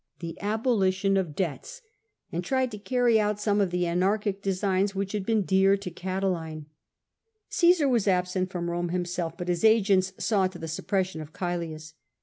THE NEW MONARCHY 333 abolition of debts — and tried to carry out some of tbe anarchic designs which had been dear to Catiline. Caesar was absent from Rome himself, but his agents saw to the suppression of Caelius.